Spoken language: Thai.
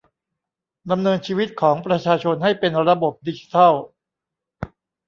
ดำเนินชีวิตของประชาชนให้เป็นระบบดิจิทัล